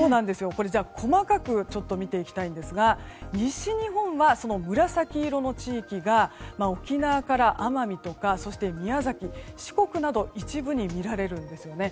これ、細かく見ていきたいんですが西日本は紫色の地域が沖縄から奄美とかそして宮崎、四国なども一部に見られるんですよね。